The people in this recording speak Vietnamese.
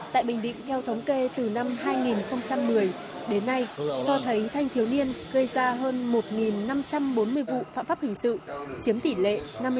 tại bình định theo thống kê từ năm hai nghìn một mươi đến nay cho thấy thanh thiếu niên gây ra hơn một năm trăm bốn mươi vụ phạm pháp hình sự chiếm tỷ lệ năm mươi bốn